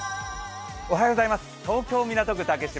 東京・港区竹芝